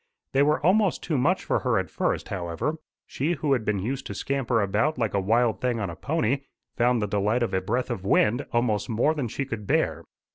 They were almost too much for her at first, however. She who had been used to scamper about like a wild thing on a pony, found the delight of a breath of wind almost more than she could bear.